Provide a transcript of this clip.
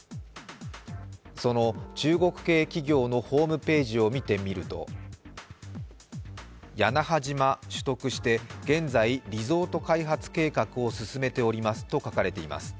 その中国系企業のホームページを見てみると屋那覇島、取得して現在リゾート開発計画を進めておりますと書かれています。